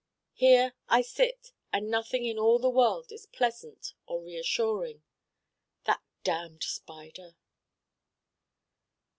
Here I sit and nothing in all the world is pleasant or reassuring. That damned Spider.